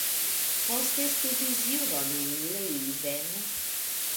Poste studis juron en Leiden.